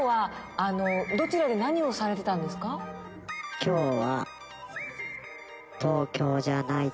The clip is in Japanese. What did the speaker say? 今日は。